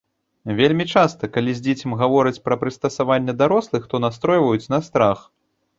Вельмі часта, калі з дзіцем гавораць пра прыставанне дарослых, то настройваюць на страх.